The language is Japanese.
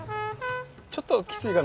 ちょっときついかな。